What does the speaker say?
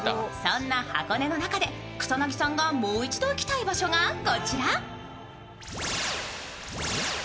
そんな箱根の中で草薙さんがもう一度行きたい場所がこちら。